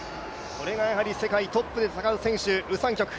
これが世界トップで戦う選手、ウ・サンヒョク。